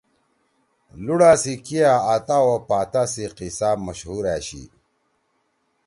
لُوڑا سی کیِا آتا او پاتا سی قصہ مشہور أشئی۔